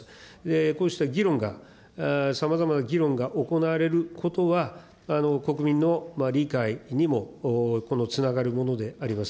こうした議論が、さまざまな議論が行われることは、国民の理解にもつながるものであります。